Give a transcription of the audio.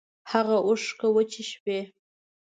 هاغه اوښکی وچې شوې